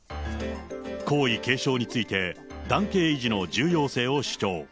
皇位継承について、男系維持の重要性を主張。